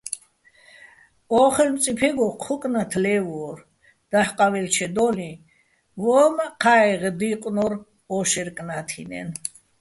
ო ხემწიფეგო ჴო კნათ ლე́ვვორ, დაჰ̦ ყავეჲლჩედო́ლიჼ ვო́მაჸ ჴაეღ დი́ყნო́რ ო შეჲრ კნა́თინა́ჲნო̆.